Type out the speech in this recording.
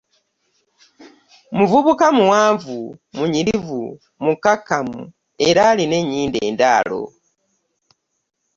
Mubuvuka muwanvu ,munyirivu , mikakkamu era alina enyindo endaalo .